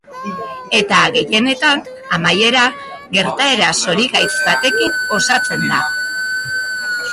Eta gehienetan, amaiera, gertaera zorigaitz batekin osatzen da.